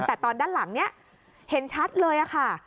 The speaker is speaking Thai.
แต่ตอนด้านหลังนี้เห็นชัดเลยค่ะ